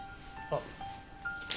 あっ。